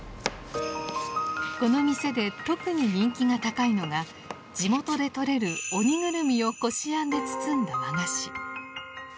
この店で特に人気が高いのが地元で採れるオニグルミをこしあんで包んだ和菓子。